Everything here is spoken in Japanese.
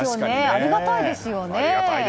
ありがたいですよね。